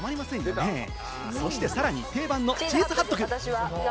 さらに定番のチーズハットグ。